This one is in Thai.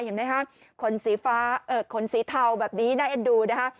เห็นไหมคะคนสีเทาแบบนี้น่าเอ็ดดูนะคะ